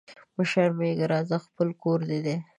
مه شرمېږه راځه خپل کور دي دی